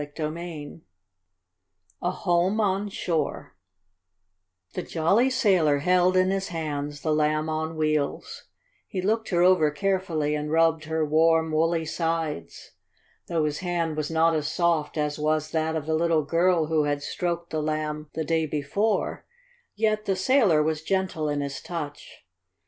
CHAPTER III A HOME ON SHORE The jolly sailor held in his hands the Lamb on Wheels. He looked her over carefully, and rubbed her warm, woolly sides. Though his hand was not as soft as was that of the little girl who had stroked the Lamb the day before, yet the sailor was gentle in his touch.